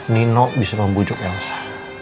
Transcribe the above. nino bisa membujuk elsa